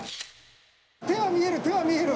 手は見える手は見える！